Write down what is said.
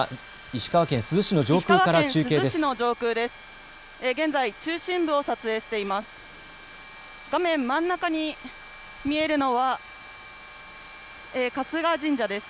石川県珠洲市の上空です。